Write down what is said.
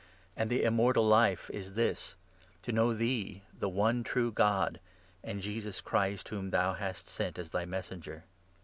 And the Im 3 mortal Life is this — to know thee the one true God, and Jesus Christ whom thou hast sent as thy Messenger.